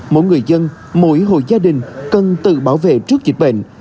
mỗi người dân mỗi hội gia đình cần tự bảo vệ trước dịch bệnh